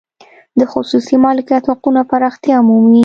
د خصوصي مالکیت حقونه پراختیا ومومي.